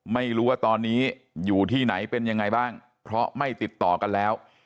ไม่รู้ว่าตอนนี้อยู่ที่ไหนเป็นยังไงบ้างเพราะไม่ติดต่อกันแล้ว